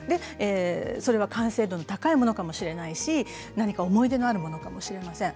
それは完成度の高い物かもしれないし、何か思い出のある物かもしれません。